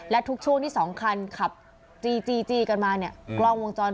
และทุกช่วงที่สองคันขับจี้จี้จี้กันมาเนี่ยอืม